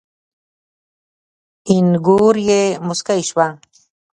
اينږور يې موسکۍ شوه.